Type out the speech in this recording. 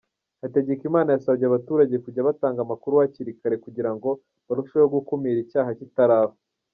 Hategekimana yasabye abaturage kujya batanga amakuru hakiri kare kugira ngo barusheho gukumira icyaha kitaraba.